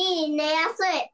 やすい。